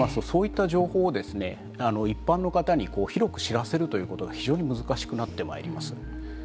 そうなってまいりますとそういった情報を一般の方に広く知らせるということが非常に難しくなってまいります。